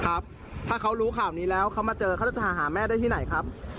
ถ้าเขารู้ข่าวนี้แล้วเขามาเจอเขาจะหาแม่ได้ที่ไหนครับ